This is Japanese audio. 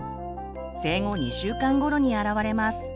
生後２週間ごろにあらわれます。